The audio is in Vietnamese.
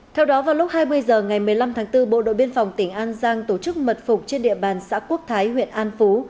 theo đó vào lúc hai mươi h ngày một mươi năm tháng bốn bộ đội biên phòng tỉnh an giang tổ chức mật phục trên địa bàn xã quốc thái huyện an phú